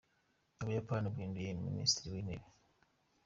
U Buyapani Bahinduye Minisitiri w’Intebe